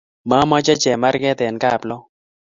Mamache chemarket en kaplong